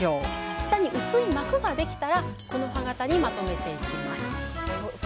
下に薄い膜ができたら木の葉型にまとめていきます。